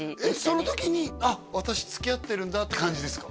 その時に「あっ私つきあってるんだ」って感じですか？